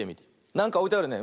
なんかおいてあるね。